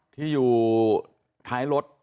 ที่อยู่ท้ายรถ